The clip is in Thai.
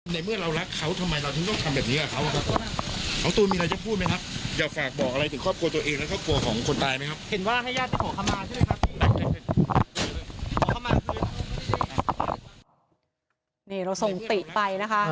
นี่เราส่งติไปนะคะ